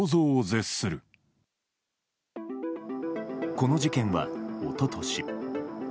この事件は、一昨年。